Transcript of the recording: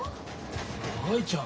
藍ちゃん。